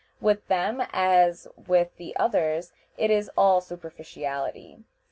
With them, as with the others, it is all superficiality.